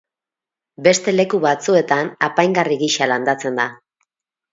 Beste leku batzuetan apaingarri gisa landatzen da.